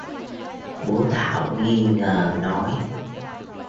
Bố Thảo nghi ngờ nói